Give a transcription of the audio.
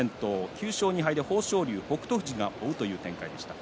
９勝２敗で豊昇龍、北勝富士が追う展開でした。